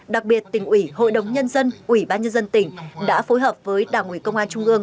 đặc biệt tỉnh ủy hội đồng nhân dân ủy ban nhân dân tỉnh đã phối hợp với đảng ủy công an trung ương